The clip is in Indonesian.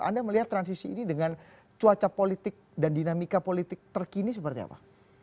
anda melihat transisi ini dengan cuaca politik dan dinamika politik terkini seperti apa